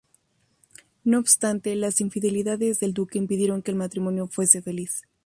No obstante, las infidelidades del Duque impidieron que el matrimonio fuese feliz.